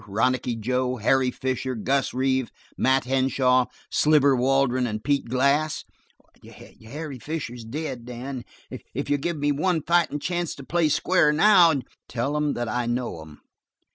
Ronicky Joe, Harry Fisher, Gus Reeve, Mat Henshaw, Sliver Waldron and Pete Glass?" "Harry Fisher's dead, Dan, if you'll give me one fightin' chance to play square now " "Tell 'em that I know 'em.